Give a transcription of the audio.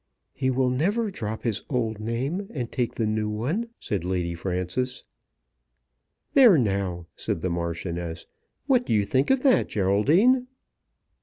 "He will never drop his old name and take the new one," said Lady Frances. "There now," said the Marchioness. "What do you think of that, Geraldine?"